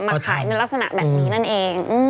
มาขายในลักษณะแบบนี้นั่นเอง